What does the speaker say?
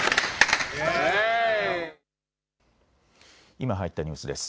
今入ったニュースです。